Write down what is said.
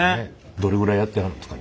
どれぐらいやってはるんですか？